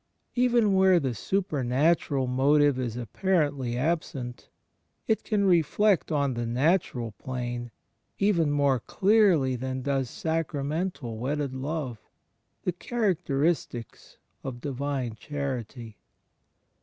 Eveni where the supernatural motive is apparently absent, it can reflect on the natural plane, even more clearly than does sacramental wedded love, the characteristics of divine charity.